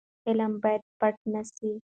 علم باید پټ نه سي.